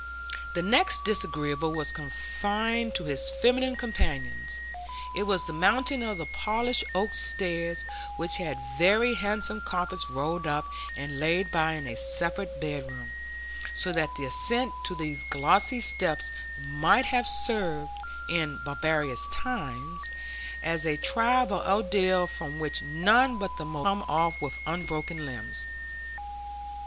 The next disagreeable was confined to his feminine companions; it was the mounting of the polished oak stairs, which had very handsome carpets rolled up and laid by in a spare bedroom, so that the ascent of these glossy steps might have served, in barbarous times, as a trial by ordeal from which none but the most spotless virtue could have come off with unbroken limbs.